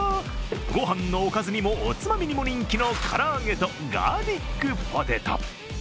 ご飯のおかずにも、おつまみにも人気の唐揚げとガーリックポテト。